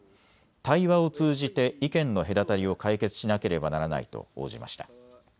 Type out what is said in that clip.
対話を通じて意見の隔たりを解決しなければならないと応じました。